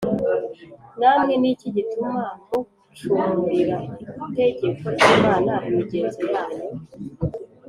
“namwe ni iki gituma mucumurira itegeko ry’imana imigenzo yanyu?